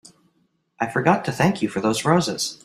I forgot to thank you for those roses.